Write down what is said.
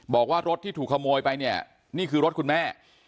บอกว่ารถที่ถูกขโมยไปเนี่ยนี่คือรถคุณแม่